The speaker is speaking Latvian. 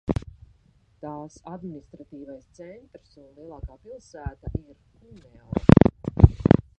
Tās administratīvais centrs un lielākā pilsēta ir Kuneo.